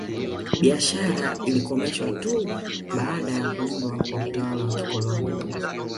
Biashara ilikomeshwa tu baada ya kuundwa kwa utawala wa kikoloni